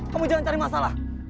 kamu jangan cari masalah